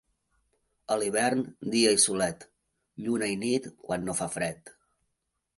A l'hivern, dia i solet; lluna i nit, quan no fa fred.